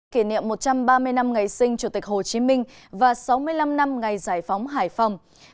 kỷ niệm một trăm ba mươi năm ngày sinh chủ tịch hồ chí minh và sáu mươi năm năm ngày giải phóng hải phòng